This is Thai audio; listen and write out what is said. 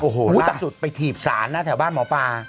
โอ้โหตัดสุดไปถีบสารนะแถวบ้านหมอปลา